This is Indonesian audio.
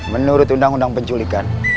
menurut undang undang penculikan